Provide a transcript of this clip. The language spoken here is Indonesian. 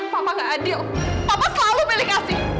papa gak adil papa selalu milik asyik